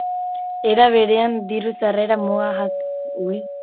Era berean, diru-sarrera muga jakin batzuk gainditzen ez dituzten familiak sartuko dira.